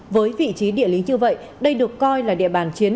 với vị trí địa lý như vậy đây được coi là địa bàn chiến